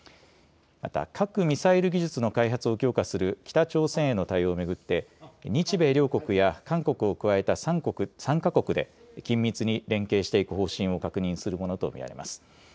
また核・ミサイル技術の開発を強化する北朝鮮への対応を巡って日米両国や韓国を加えた３か国で緊密に連携していく方針を確認するものと見られます。